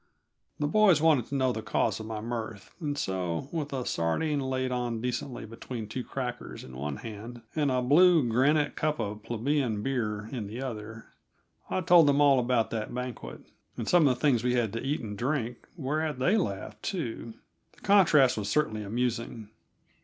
The boys wanted to know the cause of my mirth, and so, with a sardine laid out decently between two crackers in one hand, and a blue "granite" cup of plebeian beer in the other, I told them all about that banquet, and some of the things we had to eat and drink whereat they laughed, too. The contrast was certainly amusing.